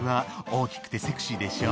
大きくてセクシーでしょ。